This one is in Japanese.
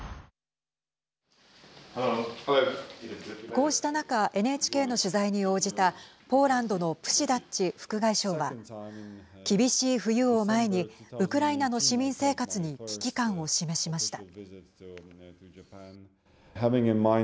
こうした中ＮＨＫの取材に応じたポーランドのプシダッチ副外相は厳しい冬を前にウクライナの市民生活に危機感を示しました。